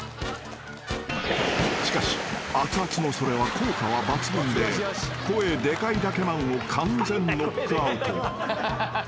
［しかしあつあつのそれは効果は抜群で声デカいだけマンを完全ノックアウト］